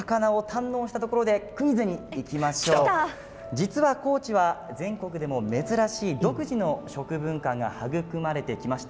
実は高知は全国でも珍しい独自の食文化が育まれてきました。